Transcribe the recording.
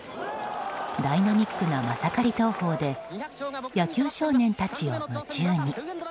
ダイナミックなマサカリ投法で野球少年たちを夢中に。